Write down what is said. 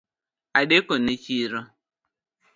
Adekone chiro